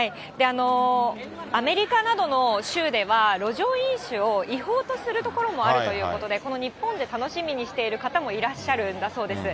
アメリカなどの州では、路上飲酒を違法とする所もあるということで、この日本で楽しみにしている方もいらっしゃるんだそうです。